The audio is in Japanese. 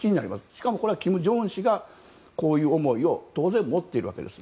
しかも金正恩氏がこういう思いを当然、持っているわけです。